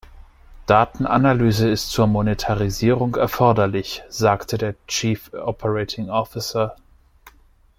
Datenanalyse ist zur Monetarisierung erforderlich, sagte der Chief Operating Officer.